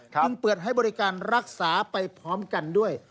จึงเปิดให้บริการรักษาไปพร้อมกันด้วย